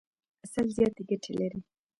عسل زیاتي ګټي لري.